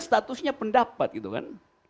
statusnya pendapat gitu kan